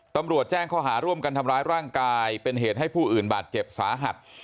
ตำรวจแจ้งข้อหาร่วมกันทำร้ายร่างกายเป็นเหตุให้ผู้อื่นบาดเจ็บสาหัส